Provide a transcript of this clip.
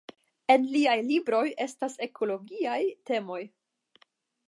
En liaj libroj estas ekologiaj temoj.